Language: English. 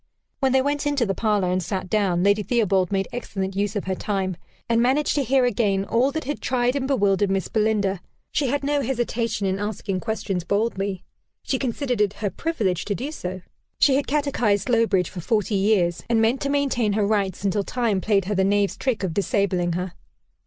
When they went into the parlor, and sat down, Lady Theobald made excellent use of her time, and managed to hear again all that had tried and bewildered Miss Belinda. She had no hesitation in asking questions boldly; she considered it her privilege to do so: she had catechised Slowbridge for forty years, and meant to maintain her rights until Time played her the knave's trick of disabling her.